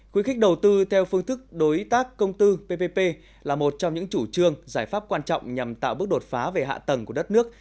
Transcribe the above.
khuyến khích đầu tư theo phương thức đối tác công tư ppp là một trong những chủ trương giải pháp quan trọng nhằm tạo bước đột phá về hạ tầng của đất nước